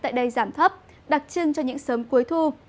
tại đây giảm thấp đặc trưng cho những sớm cuối thu